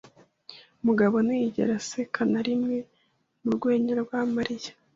Mugabo ntiyigera aseka na rimwe mu rwenya rwa Mariya.